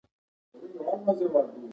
په هغوی باندې به یې په ګډه کار کاوه